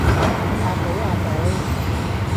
啊寶啊寶